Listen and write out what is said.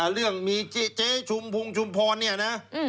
เรื่องมีเจ๊ชุมพุงชุมพรเนี่ยนะ